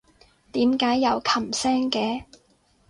點解有琴聲嘅？